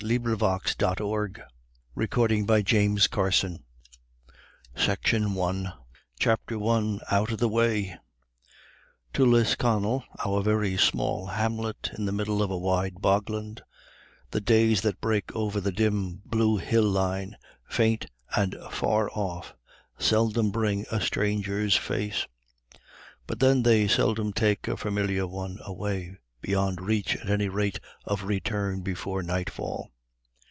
A FLITTING 303 CHAPTER XIII. A RETURN 324 CHAPTER XIV. GOOD LUCK 340 CHAPTER I OUT OF THE WAY To Lisconnel, our very small hamlet in the middle of a wide bogland, the days that break over the dim blue hill line, faint and far off, seldom bring a stranger's face; but then they seldom take a familiar one away, beyond reach, at any rate of return before nightfall.